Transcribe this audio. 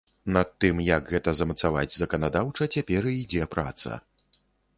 Над тым, як гэта замацаваць заканадаўча, цяпер і ідзе праца.